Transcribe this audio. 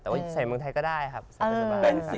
แต่ว่าใส่เมืองไทยก็ได้ครับใส่ไปสบาย